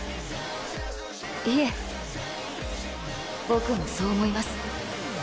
いえ僕もそう思います